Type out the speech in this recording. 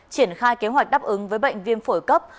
triển khai kế hoạch đáp ứng với bệnh viêm phổi cấp